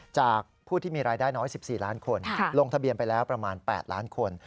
จากผู้ที่มีรายได้น้อย๑๔ล้านคนลงทะเบียนไปแล้วประมาณ๘ล้านคน